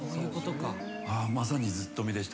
まさにずっとみでした。